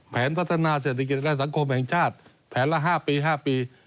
พัฒนาเศรษฐกิจและสังคมแห่งชาติแผนละ๕ปี๕ปี